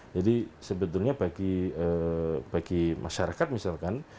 jadi sebetulnya bagi masyarakat misalkan